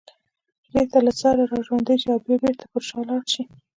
بېرته له سره راژوندي شي او بیا بېرته پر شا لاړ شي